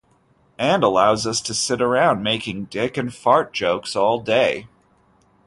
And allows us to sit around making dick and fart jokes all day.